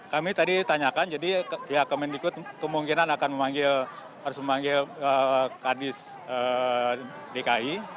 kami tadi tanyakan jadi pihak kemendikut kemungkinan akan memanggil harus memanggil kadis dki